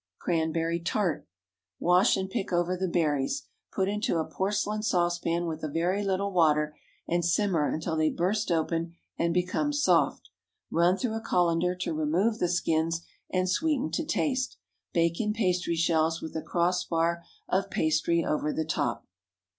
CRANBERRY TART. Wash and pick over the berries. Put into a porcelain saucepan with a very little water, and simmer until they burst open and become soft. Run through a cullender to remove the skins, and sweeten to taste. Bake in pastry shells, with a cross bar of pastry over the top.